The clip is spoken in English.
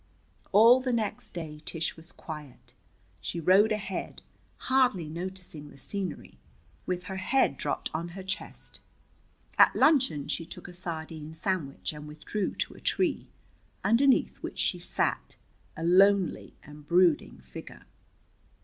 All the next day Tish was quiet. She rode ahead, hardly noticing the scenery, with her head dropped on her chest. At luncheon she took a sardine sandwich and withdrew to a tree, underneath which she sat, a lonely and brooding figure.